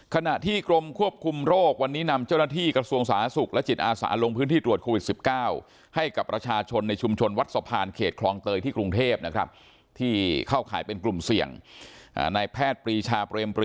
ขณะที่กรมควบคุมโรคร์วันนี้นำเจ้าหน้าที่กระทรวงศาอาณาสุขและจิตอาสา